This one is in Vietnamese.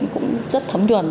cũng rất thấm đuồn